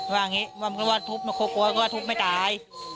ว่าอย่างนี้มันก็ว่าทุบไม่ครบกลัวก็ว่าทุบไม่ตาย